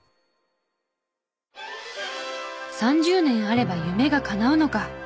３０年あれば夢がかなうのか！